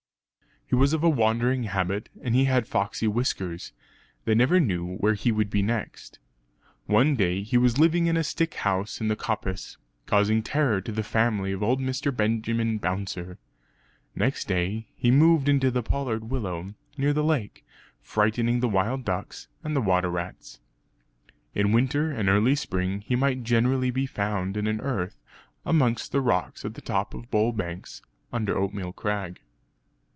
He was of a wandering habit and he had foxey whiskers; they never knew where he would be next. One day he was living in a stick house in the coppice, causing terror to the family of old Mr. Benjamin Bouncer. Next day he moved into a pollard willow near the lake, frightening the wild ducks and the water rats. In winter and early spring he might generally be found in an earth amongst the rocks at the top of Bull Banks, under Oatmeal Crag.